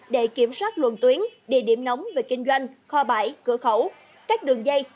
để kiểm soát luận tuyến địa điểm nóng về kinh doanh kho bãi cửa khẩu các đường dây